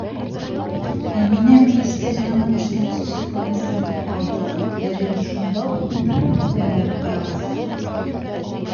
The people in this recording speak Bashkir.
Әминә мейестән яңы бешкән сөсө күмәсен алды ла, береһен шунда уҡ һындырып, тәмләп ҡарағас: